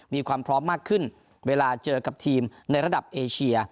มีความพร้อมมากขึ้นเวลาเจอกับทีมในระดับเอเชีย